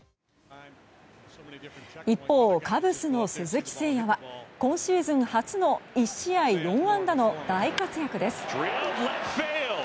一方、カブスの鈴木誠也は今シーズン初の１試合４安打の大活躍です。